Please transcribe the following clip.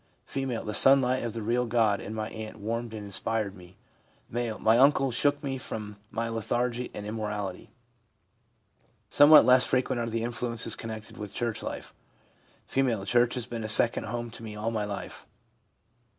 F. ' The sunlight of the real God in my aunt warmed and inspired me.' M. ' My uncle shook me from my lethargy and im morality.' Somewhat less frequent are the influences connected with church life. F. ' Church has been a second home to me all my life.'